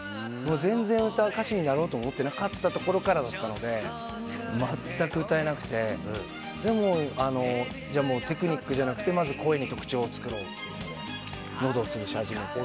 全然歌手になろうと思ってなかったところからだったので全く歌えなくてでも、テクニックじゃなくて声に特徴を作ろうというので喉を潰し始めて。